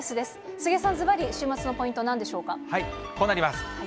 杉江さん、ずばり週末のポイント、こうなります。